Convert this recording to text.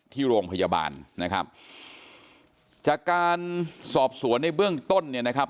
ที่โรงพยาบาลนะครับจากการสอบสวนในเบื้องต้นเนี่ยนะครับ